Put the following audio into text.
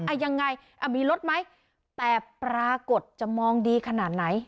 ยังไงอ่ะมีรถไหมแต่ปรากฏจะมองดีขนาดไหน